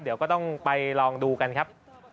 เดี๋ยวก็ต้องไปลองดูกันครับ